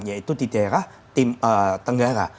yaitu di daerah tenggara